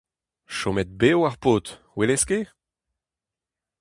Chomet bev ar paotr, 'welez ket !